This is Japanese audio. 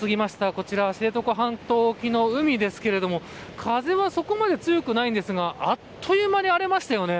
こちらは知床半島沖の海ですけれども風はそこまで強くはないのですがあっという間に荒れましたよね。